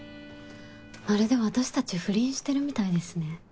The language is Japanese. まるで私たち不倫してるみたいですね。